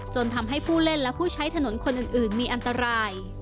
จนทำให้ผู้เล่นและผู้ใช้ถนนคนอื่นมีอันตราย